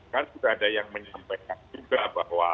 kan sudah ada yang menyampaikan juga bahwa